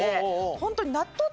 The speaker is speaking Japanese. ホントに。